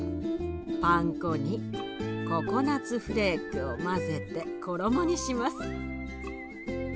パン粉にココナツフレークを混ぜて衣にします。